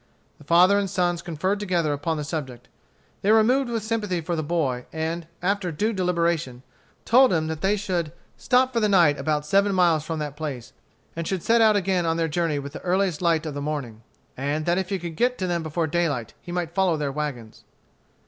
The father and sons conferred together upon the subject. They were moved with sympathy for the boy, and, after due deliberation, told him that they should stop for the night about seven miles from that place, and should set out again on their journey with the earliest light of the morning; and that if he could get to them before daylight, he might follow their wagons.